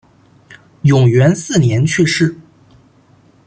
永元四年去世。